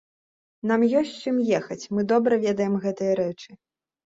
Нам ёсць з чым ехаць, мы добра ведаем гэтыя рэчы.